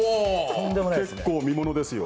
結構、見物ですよ。